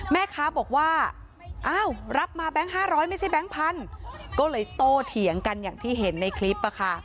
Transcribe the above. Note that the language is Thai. แม่ค้าบอกว่าอ้าวรับมาแบงค์๕๐๐ไม่ใช่แบงค์พันธุ์ก็เลยโตเถียงกันอย่างที่เห็นในคลิป